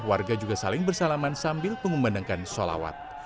warga juga saling bersalaman sambil mengumandangkan sholawat